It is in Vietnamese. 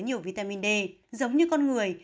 nhiều vitamin d giống như con người